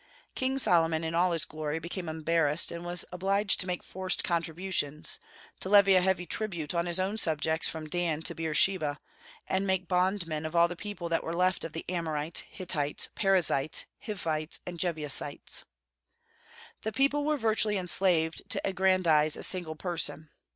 King Solomon, in all his glory, became embarrassed, and was obliged to make forced contributions, to levy a heavy tribute on his own subjects from Dan to Beersheba, and make bondmen of all the people that were left of the Amorites, Hittites, Perizites, Hivites, and Jebusites. The people were virtually enslaved to aggrandize a single person.